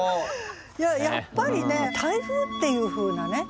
やっぱりね「台風」っていうふうなね